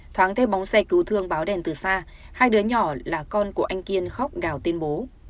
thoáng thêm bóng xe cứu thương báo đèn từ xa hai đứa nhỏ là con của anh kiên khóc gào tên bố